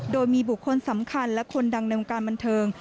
โดยมีบุคคลสำคัญและคนดังในวงการบันเทิง